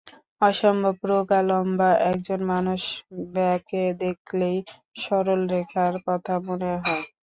অসম্ভব রোগা, লম্বা এক জন মানুষ-ব্যাকে দেখলেই সরলরেখার কথা মনে হয়।